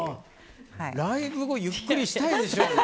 ライブ後ゆっくりしたいでしょ。